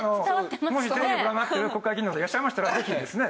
もしテレビご覧になってる国会議員の方いらっしゃいましたらぜひですね